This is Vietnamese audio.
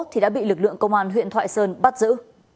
thì đã bị lực lượng công an huyện thoại sơn bắt giữ